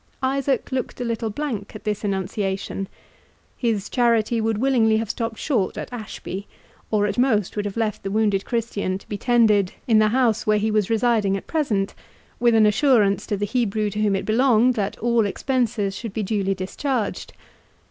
Isaac looked a little blank at this annunciation. His charity would willingly have stopped short at Ashby, or at most would have left the wounded Christian to be tended in the house where he was residing at present, with an assurance to the Hebrew to whom it belonged, that all expenses should be duly discharged.